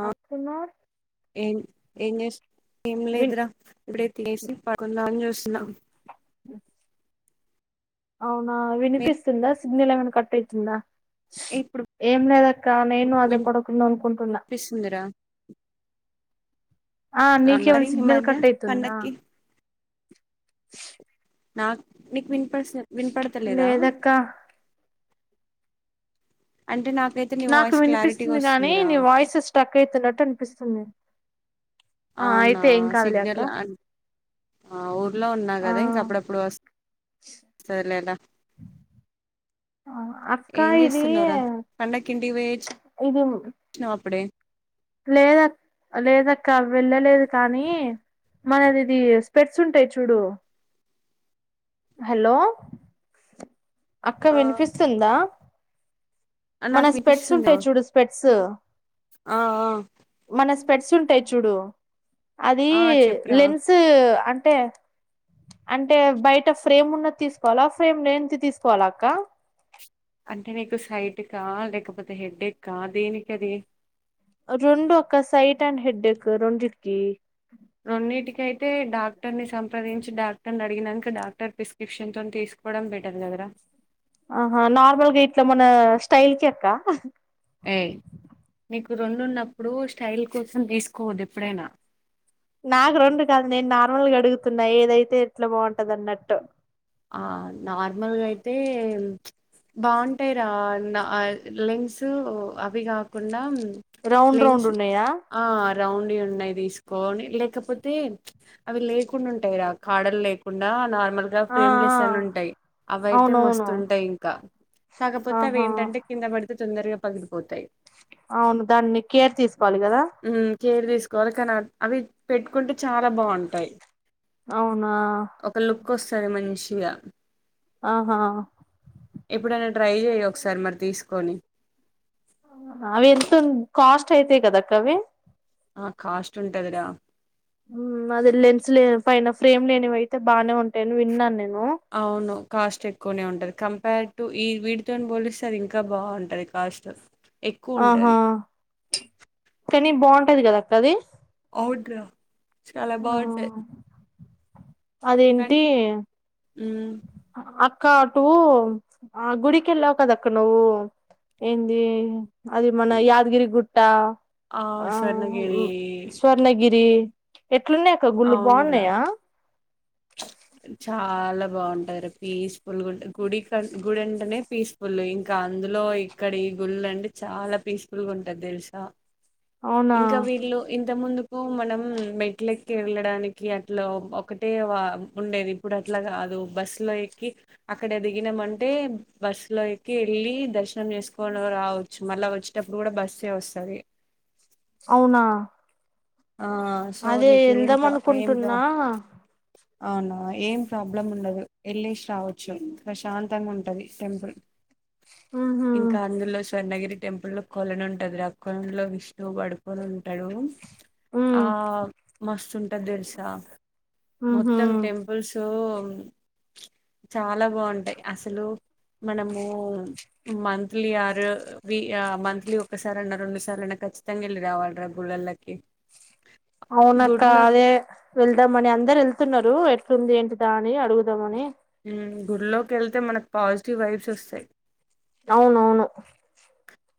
ఆ అప్పునార్ ఏం ఏం చేస్తు ఏం లేదురా ఇప్పుడే తినేసి పడుకుందామని చూస్తున్న అవునా మీరు వినిపిస్తుందా సింగిల్ ఏమన్నా కట్టయితుందా ఇప్పుడు ఏం లేదక్క నేను అదే పడుకుందాం అనుకుంటున్నా వినిపిస్తుందిరా ఆ మరి నీకేవన్ ఈ సిగ్నల్ మధ్య కట్ అయితుందా పండక్కి నాకు నీకు విన్ పి పడుసేవ్ వినపడతలేదా లేదక్క అంటే నాకు నాకు వినిపిస్తుంది గాని నీ వాయిస్ స్ట్రక్ ఐతున్నట్టు అనిపిస్తుంది ఆ అవునా అయితే ఏం కాదులే అక్క సిగ్నల్ అన్ ఆ ఇంట్లో ఉన్నా ఆ కదా ఇంక అప్పుడప్పుడు వ వస్తుంది లేరా ఆ అక్క ఏం ఇది చేస్తున్నావు రా పండకింటికి పోయి వచ్చినవ అప్పుడే లేదక లేదక్క వెళ్ళలేదు కానీ మనది ఇది స్పెడ్స్ ఉంటాయి చూడు హలో అక్క ఆ వినిపిస్తుందా ఆ, మన నాకు స్పెట్స్ వినిపిస్తుందా ఉంటాయి చూడు స్పెట్స్ ఆ ఆ మన పెట్స్ ఉంటాయి చూడు అది ఆ చెప్పురా లెన్సు అంటే అంటే ఫ్రేమ్ ఉన్నది తీసుకోవాల ఫ్రేమ్ లేనిది తీసుకోవాలా అక్క అంటే నీకు సైట్ కా లేకపోతే హెడేక్ కా దేనికిది రెండు ఒకక్క సైడ్ అండ్ హెడ్డక్ రెండికి రెండున్నిటికి అయితే డా డాక్టర్ ని సంప్రదించి డాక్టర్ అడిగినాక డాక్టర్ ప్రిస్క్రిప్షన్ తో తీసుకోవడం బెటర్ కదా రా ఆహా నార్మల్గా ఇట్లా మన స్టైల్ కి అక్క ఏయ్ నీకు రెండున్నప్పుడు స్టైల్ కోసం తీసుకోవదు ఎప్పుడైనా నాకు రెండు కాదు నేను నార్మల్గా అడుగుతున్నా ఏదైతే ఎట్లా బాగుంటది అన్నట్టు ఆ నార్మల్గా అయితే బాగుంటాయి రా నా లెన్సు అవి కాకుండా రౌండ్ రౌండ్ లెన్స్ ఉన్నాయా ఆ రౌండ్ యిఉన్నాయి తీసుకోని లేకపోతే అవి లేకుండా ఉంటాయి రా కాడలు లేకుండా నార్మల్ గా ఆ ఫ్రేమ్ లెస్ అని ఉంటాయి అవి ఆ అయితే అవునవును మస్తుంటాయి ఇంకా కాకపోతే అవి ఆహా ఏంటంటే కింద పడి తే తొందరగా పగిలిపోతాయి. అవును దాన్ని కేర్ తీసుకోవాలి కదా కేరు తీసుకోవాలి కానీ అవి పెట్టుకుంటే చాలా బావుంటాయి. అవునా ఫ్రెష్ గా ఆహా ఎప్పుడైనా ట్రై చెయ్యి ఒకసారి మరి తీసుకొని అవి ఎంత కాస్ట్ అయితాయి కదాక్క అవి ఆ కాస్ట్ ఉంటదిరా అదే లెన్స్ లే పైన ఫ్రేమ్ లేనివి అయితే బానే ఉంటాయి అని విన్నాను నేను అవును కాస్ట్ ఎక్కువనే ఉంటది కంపేర్ టు ఈ వీటితోని పోలిస్తే అది ఇంకా బావుంటది కాస్ట్ ఎక్కువ ఆహా ఉంటది కానీ బాగుంటాది కదా అక్క అది అవును రా చాలా ఆ బాగుంటాయి అదేంటి హ్మ్ అక్క అటు ఆ గుడికెళ్ళావు కదక్క నువ్వు ఏంది అది మన యాద్గిరి గుట్ అట్ట ఆ స్వర్ణగిరి ఎట్లున్నాయక్క గుళ్ళు అవునురా బాగున్నాయా బాగుంటాయి పీస్ఫుల్ గుడి క గుడి వెంటనే పీస్ఫుల్ ఇం ఇంకా అందులో ఇక్కడ ఈ గుళ్ళు అంటే చాలా పీస్ఫుల్ గా ఉంటది తెలుసా అవునా ఇంకా వీళ్ళు ఇంత ముందు మనం మెట్ల ఎక్కి వెళ్ళడానికి అట్లా ఒకటే ఉండేది ఇప్పుడు అట్లా కాదు బస్ లో ఎక్కి అక్కడ ఎ దిగినామంటే బస్ లో ఎక్కి వెళ్ళి దర్శనం చేసుకోని రావచ్చు మళ్ళా వచ్చేటప్పుడు కూడా బస్ వస్తుంది అవునా సో అదే నీకు ఏం వెళ్దాం ప్ర ఏం ప్ర అనుకుంటున్నా అవునా ఏం ప్రాబ్లం ఉండదు వెల్లేసి రావచ్చు ప్రశాంతంగా ఉంటది టెంపుల్ ఉహు ఇంకా అందులో స్వర్ణగిరి టెంపులు కొలనుంటది ఆ కొలన్ లో విష్ణువు పడుకొని ఉంటాడు ఉ ఆ మస్తు ఉంటది తెలుసా మొత్తం ఉహు టెంపుల్స్ చాలా బాగుంటాయి అసలు మనము మన్ త్లి ఆరు వి ఆ మంత్లీ ఒకసార అయినా రెండు సార్ అయిన ఖచ్చితంగా వెళ్ళి రావాలి రా గుళ్ళలకు కి అవునక్క అదే వెళ్దామని అందరు వెళ్తున్నారు ంది ఏంటి దా అని అడుగుదామని గుడిలోకి వెళ్తే మనకు పాజిటివ్ వైబ్స్ వస్తాయి అవునవును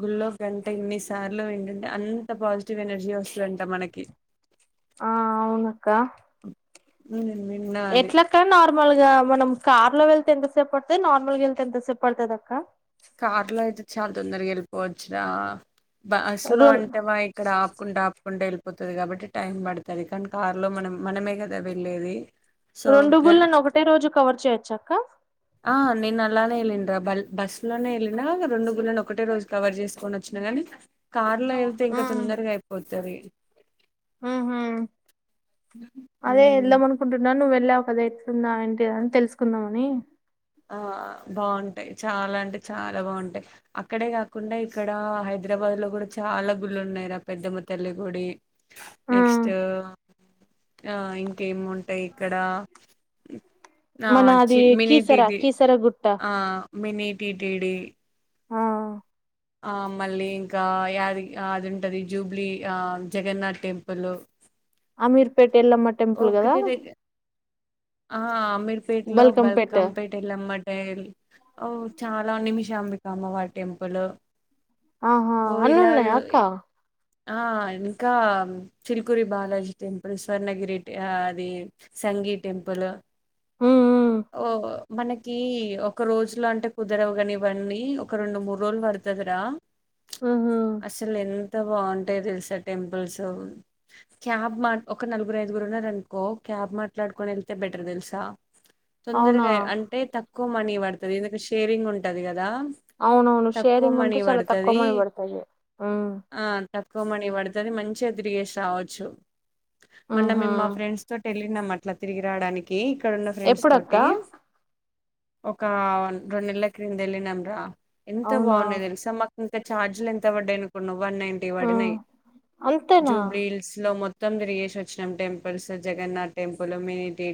గుల్లో గంట ఎన్నిసార్లు వింటుంటే అంత పాజిటివ్ ఎనర్జీ వస్తుందంట మనకి ఆ అవునక్క మ్మ్ నిన్నా అది ఎట్లక్క నార్మల్ గా మనం కార్ లో వెళ్తే ఎంతసేపు పడుతు నార్మల్ గా వెళ్తే ఎంతసేపు పడుతది అక్క కార్ లో అయితే చాల్ తొందరకి వెళ్ళిపోవచ్చు రా బస్ లో రెం అంటే వా ఇక్కడ ఆపుకుంటా ఆప్ కుంటే వెళ్ళిపోతది కాబట్టి టైం పడతది కానీ కారు లో మనం మనమే కదా వెళ్లేేది రోండుగుళ్ళలను ఒకటే రోజు కవర్ చేయొచ్చక్క ఎలేండ్ర బల్ బస్ లోనే వెళ్ళినా రెండు గుళ్ళను ఒకటే రోజు కవర్ చేసుకొని వచ్చిన కానీ కార్ లో వెళ్తే ఇంకా తొందరగా అయిపోద్ది తది మ్మ్ హు అదే వెళ్దాం అనుకుంటున్నా నువ్వెల్ ఇలా ఒకద్ ఎట్లుందా ఏంటిదని తెలుసుకుందామని ఆ బాగుంటాయి చాలా అంటే చాలా బాగుంటాయి అక్కడే కాకుండా ఇక్కడ హైదరాబాద్ లో కూడా చాలా గుళ్ళున్నాయిరా పెద్దమ్మ తల్లి గుడి ఆ నెక్స్ట్ ఆ ఇంకేముంటాయి ఇక్కడ ఆ మన అది చీన్ మినిట్ కీసర ఇది కీసర గుట్ట ఆ మినిట్ టి టి డి ఆ మళ్ళీ ఇంకా యాది అది ఉంటది జూబ్లీ ఆ Jagannath temple Ameerpet Yellamma temple గదా దగ్గర ఆ అమీర్పేట్లో బల్కంపేట్ బల్కాంపేట్ ఎల్లమ్మటెల్ ఓ చాలా నిమిష శ్యాంబికా అమ్మవారి టెంపులు ఆహా అన్నున్నయ అక్క ఆ ఇంకా చిల్కురి బాలాజీ టెంపుల్ స్వర్ణగిరి ట్ అది సంగీత్ టెంపులు హ్మ్. హ్మ్. ఓహో మనకి ఒక రోజులో అంటే కుదరవు కాని ఇవన్నీ ఒక రెండు మూడు రోజులు పడుతదిరా హుహు. అసలెం ఎంత బాగుంటాయో తెలుసా టెంపుల్స్ క్యాబ్ మాట్ ఒక నలుగురు ఐదుగురు ఉన్నారనుకో క్యాబ్ మాట్లాడుక్ కొని వెళ్తే బెటర్ తెల్సా అవునా? తొందరగా అంటే తక్ క్కువ మనీ పడుతది ఎందుకు షేరింగ్ ఉంటది కదా అవునవును తక్కువ షేరింగ్ ఉంటే మనీ చాలా తక్కువ పడుతది మనీ పడతది హ్మ్ ఆ తక్కువ మనీ పడుతది మంచిగా తిరిగేసి రావచ్చు మొన్న హుహు. మేమ్ మా ఫ్రెండ్స్ తోటి ఎళ్లినం అట్ అట్ల తిరిగి రాడానికి ఇక్కడున్న ఫ్రెండ్స్ ఎప్పుడక్క? తోటి ఒక రెండు నెలల క్రింద వెళ్ళినంరా ఎంత అవునా? బావున్నాయి తెలుసా మాక్ ఇంకా ఛార్జులు ఎంత పడ్డాయి అనుకున్నావు. వన్ నైటీ హ్మ్. పడినాయి. అంతేనా? జూబ్లీ హిల్స్ లో మొత్తం మొత్తం తిరిగేసి వచ్చిన్నాం టెంపుల్స్ జగన్నాథ్ టెంపుల్ పొల్లం మెంటి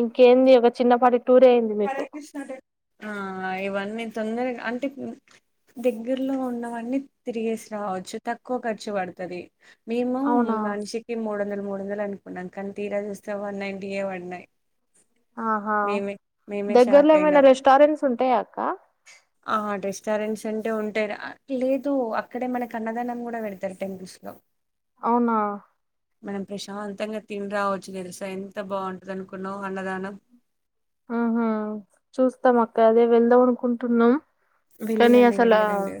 ఇంకేంది ఒక చిన్నపాటి టూరే అయ్యింది హరే మీకు కృష్ణ టెం ఆ ఇవన్నీ తొందరగా అంటే దగ్గరలో ఉన్నవన్నీ తిరిగేసి రావచ్చు. తక్కువ ఖర్చు పడుతది మేము అవునా? మనిషికి మూడందలు. మూడు వందలు అనుకున్నాం కానీ తీరా చూస్తే సేవన్ నైంటీ ఏ పడ్నాయ్ ఆహా షాక్ దగ్గర్లో ఏమైనా అయినాం రెస్టారెంట్స్ ఉంటాయా అక్క ఆ రెస్టారెంట్స్ అంటే ఉంటాయ్ రా లేదు అక్కడే మనకి అన్నదానం కూడా పెడతారు టెంపుల్స్ లో అవునా మనం ప్రశాంతంగా తినిరావచ్చు తెలుస ఎంత బాగుంటంది అనుకున్నావు అన్నదానం ఆహా చూస్తాం అక్క అదే వెళ్దాం అనుకుంటున్నాం. కానీ వెళ్ళిరండి అసల వెళ్ళిరండి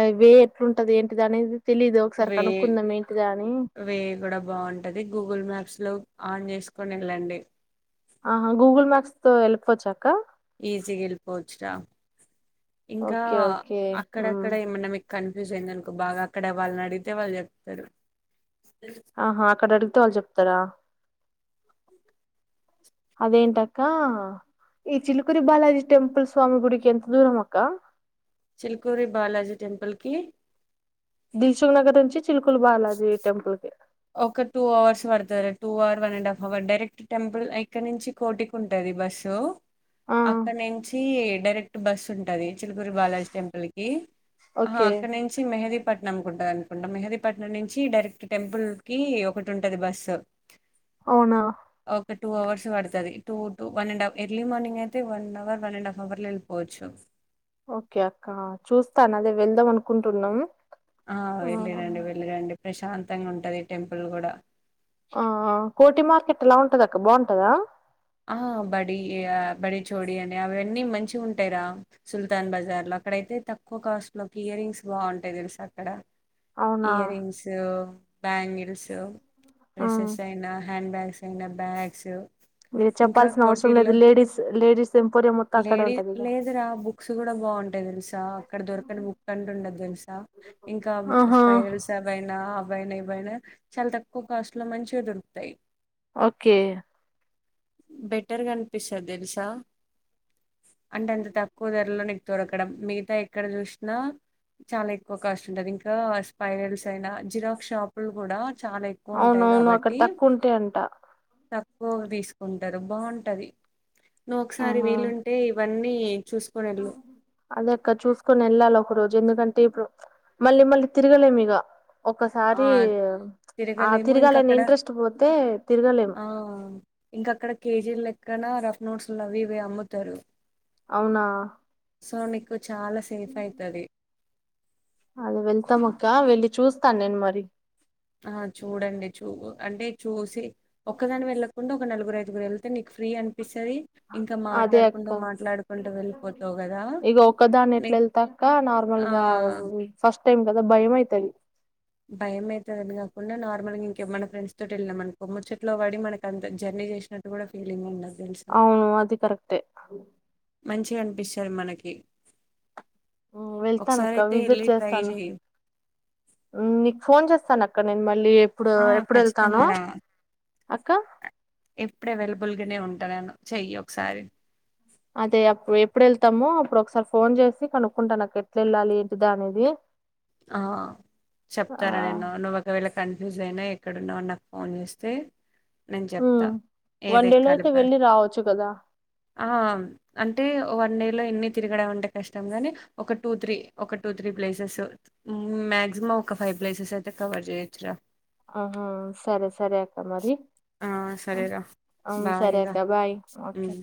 అవే ఉంటంది ఏంటిది అనేది తెలీదు. ఒకసారి వే కనుక్కుందాం ఏంటిదా అని. వే గుడ బాగుంటది, గూగుల్ మ్యాప్స్ లో ఆన్ చేసుకొని ఎళ్ళండి. ఆహ గూగుల్ మ్యాప్స్ తో వెళ్ళి పోవచ్చాక్క? ఈజీగా వెళ్లిపోవచ్చు రా ఇంకా ఓకే ఓకే హ్మ్. అక్కడక్కడ ఏమన్నా పెట్ కన్ఫ్యూజ్ అయిందనుకో బాగా అక్కడ వాళ్ళనడిగితే వాళ్ళు చెప్తరు. ఆహా అక్కడ అడుగితే వాళ్ళు చెప్తరా అదేంటక్క, ఈ చిలుకురి బాలాజీ టెంపుల్ స్వామి గుడికి ఎంత దూరం అక్క. చిల్కూరి బాలాజీ టెంపుల్ కి దిల్సుగ్ నగర్ నుంచి చిల్కుల్ బాలాజీ టెంపల్ కి ఒక టూ అవర్స్ పడుతది రా. Two hour one and half hour direct temple ఇక్కడ నుంచి కోటికి ఉంటుంది బస్సు. ఆ! అక్కడ నుంచి డైరెక్ట్ బస్సు ఉంటది. చిలుకూరి బాలాజ్ టెంపుల్ కి, ఆహ ఓకే. అక్కడి నుంచి మెహది పట్నంకుంటదనుకుంటా, మెహదీ పట్నం నుంచి డైరెక్ట్ టెంపుల్ కి ఒకటి ఉంటది బస్సు. అవునా. టూ అవర్స్ వడతది, two two one and half. Early morning అయితే one hour, one and half hour లో వెళ్ళిపోవచ్చు. ఓకే అక్క చూస్తాను అదే వెళ్దాం అనుకుంటున్నాం. ఆ హ్మ్. వెళ్లిరండి వెళ్లిరండి. ప్రశాంతంగా ఉంటది టెంపుల్ కూడా. ఆ కోటి మార్కెట్ ఎలా ఉంటదక్క బాగుంటదా? ఆ! బడి ఆహ్, బడి చోడి అని అవన్నీ మంచిగ ఉంటయ్ రా, సుల్తాన్ బజార్ ల అక్కడయితే తక్కువ కాస్ట్ లోకి ఇయర్ రంగ్స్ బాగుంటయ్ తెలుసా అక్కడ. అవునా? ఇయర్ రింగ్స్ బ్యాంగిల్స్ హ్మ్. డ్రెస్సెస్ అయినా హ్యాండ్ బ్యాగ్స్ అండ్ బ్యాగ్స్ మీరు ఇంకా చెప్పాల్సిన అవసరం కోటీల్లో, లేదు. లేడీస్ లేడీస్ ఎంపోరియం మొత్తం అక్కడే లేడీ ఉంటదిగా. లేదురా బుక్స్ కూడా బాగుంటయ్ తెలుసా, అక్కడ దొరకని బుక్ అంటూ ఉండదు తెలుసా, ఇంకా ఆహా! స్పైరల్స్ అవైనా అవైనా ఇవైనా చాలా తక్కువ కాస్ట్ లో మంచిగా దొరుకుతయ్. ఓకే బెటర్గా అనిపిస్తది తెలుసా, అంటే అంత తక్కువ ధరలో నీకు దొడకడం మిగతా ఎక్కడ చూసినా, చాలా ఎక్కువ కాస్ట్ ఉంటది. ఇంకా స్పైరల్స్ అయినా జిరాక్ షాపులు కూడా చాలా ఎక్కువ ఉంటాయి అవునవును అక్కడ తక్కువ ఉంటై అంట పో తీస్ ఉంటరు బావుంటది. నువ్ ఒకసారి వీలుంటే వన్నీ చూసుకుని వెళ్ళు అదేక్క చూసుకొని వెళ్ళాలి ఒక రోజు ఎందుకంటే ఇప్పుడు ప్చ్ మళ్ళీ మళ్ళీ తిరగలేము ఇగ ఆ ఒక్కసారి ప్చ్ ఆ తిరగలేము ఇంకా తిరగాలని అక్కడ ఇంట్రెస్ట్ పోతే తిరగలేం కనా రఫ్ నోట్సులు అవి ఇవి అమ్ముతరు అవునా సో నీకు చాలా సేఫ్ అయితది అది వెళ్తాం అక్క వెళ్ళి చూస్తాను నేను మరి ఆ చూడండి చూ అంటే చూసి ఒక్కదాన్ని వెళ్ళకుండా నలుగురు ఐదుగురు వెళ్తే నీకు ఫ్రీ అని అనిపిస్తాది ఇంకా అదే అక్క మాట్లాడుకుంటూ మాట్లాడుకుంటూ వెళ్ళిపోతావు్ కదా ఇక ఒక్కదాన్ని ఎట్లా నెక్ట్ వెళ్తా ఆ టైమ్ కదా భయంమ అవుత అది భయం అవుతుందని కాకుండా నార్మల్ గా ఇంక మన ఫ్రెండ్ తో వెళ్ళినం అనుకో ముచ్చట్లో పడి మన అంత జర్నీ చేసినట్టు కూడా ఫీలింగ్ ఉండదు తెలుసా అవును అది కరెక్టఏ అ మంచి అనిపిస్తారు మనకి వెళ్తాన ఒకసారి అక్క అయితే విజిట్ వెళ్ళి ట్రై చేస్తాను చెయి నీకు ఫోన్ చేస్తాను అ ఆ ఖచ్చితంగా రా అక్క ఎప్పుడు అవైలబుల్గానే ఉంటాన్నాను చెయ్యి ఒకసారి అదే అప్పు ఎప్పుడు వెళ్తాముో అప్పుడు ఒకసారి ఫోన్ చేసి కనుక్కుంటాను నాకు ఎట్లా వెళ్ళాలి ఏంటిదా అనేది ఆ ఆ చెప్తారా నేన్న నువ్వు ఒకవేళ కంట జైనా ఎక్కడున్నా నాకు ఫోన్ చేస్తే నేను హ్మ్ చెప్తా ఏది వన్ డే లో ఎక్కాలి అయితే బస్ వెళ్ళి రావచ్చు కదా అంటే వన్ డే లో ఎన్ని తిరగడం అంటే కష్టం ని ఒక టూ త్రీ ఒక టూ త్రీ ప్లేసెస్ మా్యాక్సిమం ఒక ఫైవ్ ప్లేసెస్ అయితే కవర్ చేయొచ్చురా ఆహా సరే సర సరేక మరి ఆ సరేరా అవు బాయ్ సరే ఇగ అక్క బాయ్ ఓకే ఉమ్